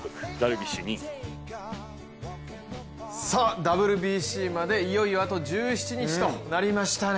ＷＢＣまでいよいよあと１７日となりましたね。